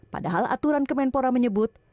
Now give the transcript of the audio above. padahal aturan kemenpora menyebut